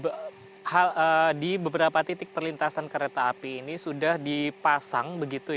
mengatakan bahwa sebenarnya di beberapa titik perlintasan kereta api ini sudah dipasang